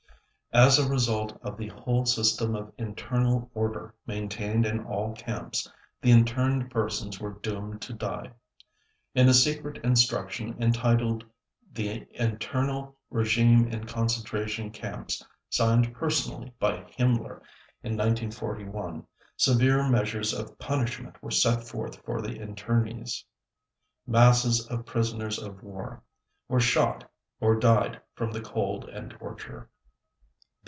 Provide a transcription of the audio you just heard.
As a result of the whole system of internal order maintained in all camps, the interned persons were doomed to die. In a secret instruction entitled "the internal regime in concentration camps", signed personally by Himmler in 1941 severe measures of punishment were set forth for the internees. Masses of prisoners of war were shot, or died from the cold and torture.